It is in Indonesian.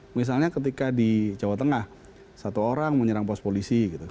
misalnya ketika di jawa tengah satu orang menyerang pos polisi gitu